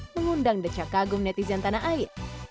mengundang decak kagum netizen tanah air